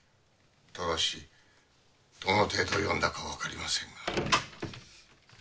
ただしどの程度読んだかわかりませんが。